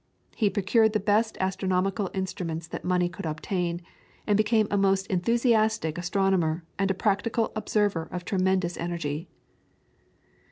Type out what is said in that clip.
He procured the best astronomical instruments that money could obtain, and became a most enthusiastic astronomer and a practical observer of tremendous energy.